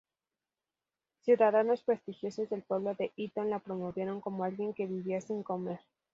Ciudadanos prestigiosos del pueblo de Eaton la promovieron como alguien que "vivía sin comer".